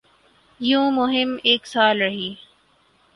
یوں مہم ایک سال رہی۔